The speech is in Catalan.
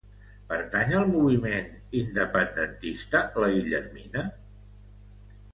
Pertany al moviment independentista la Guillermina?